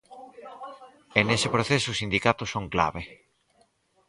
E nese proceso os sindicatos son clave.